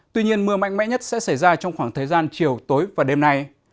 tuy nhiên mưa mạnh mẽ nhất sẽ xảy ra trong khoảng thời gian chiều tối và đêm nay